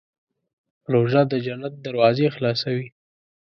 روژه د جنت دروازې خلاصوي.